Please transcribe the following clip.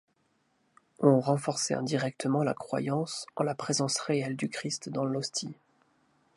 On renforçait indirectement la croyance en la présence réelle du Christ dans l'hostie.